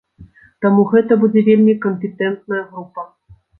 Таму гэта будзе вельмі кампетэнтная група.